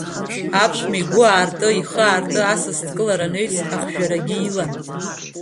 Аԥшәма игәы аарты, ихы аарты асасдкылара анаҩс, ахжәарагьы илан.